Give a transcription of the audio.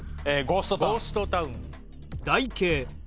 ゴーストタウン。